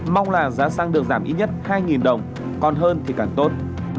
mong là giá xăng được giảm ít nhất hai đồng còn hơn thì càng tốt